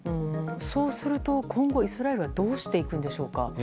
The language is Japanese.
そうすると、今後イスラエルはどうしていくんでしょうか。